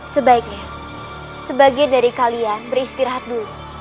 sebaiknya sebagian dari kalian beristirahat dulu